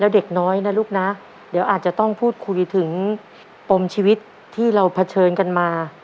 เดี๋ยวอาจจะต้องพูดคุยถึงปมชีวิตที่เราเผชิญกันมา